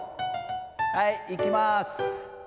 はい、いきます。